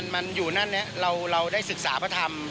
มันอยู่นั่นนี้เราได้ศึกษาพระธรรม